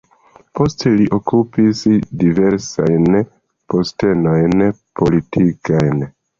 Poste li okupis diversajn postenojn politikajn.